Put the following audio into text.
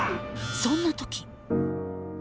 そんな時。